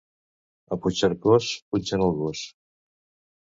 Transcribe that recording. A Puigcercós, punxen el gos.